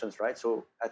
jadi saya pikir